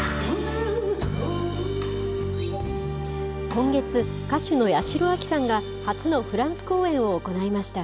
今月、歌手の八代亜紀さんが初のフランス公演を行いました。